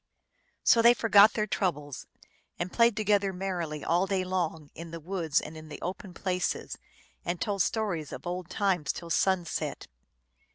So they forgot their troubles, and played together mer rily all day long in the woods and in the open places, and told stories of old times till sunset.